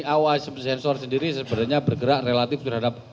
iop sensor sendiri sebenarnya bergerak relatif terhadap